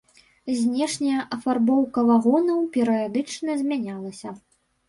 Знешняя афарбоўка вагонаў перыядычна змянялася.